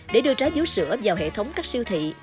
để đưa trái dũ sữa vào hệ thống các siêu thị